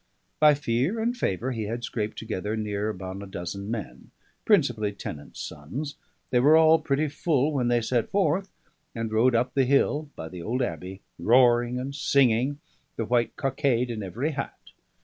By fear and favour he had scraped together near upon a dozen men, principally tenants' sons; they were all pretty full when they set forth, and rode up the hill by the old abbey, roaring and singing, the white cockade in every hat.